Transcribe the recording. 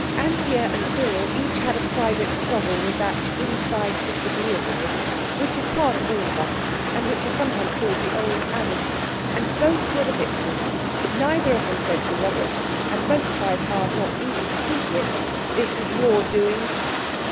Anthea and Cyril each had a private struggle with that inside disagreeableness which is part of all of us, and which is sometimes called the Old Adam—and both were victors. Neither of them said to Robert (and both tried hard not even to think it), "This is your doing."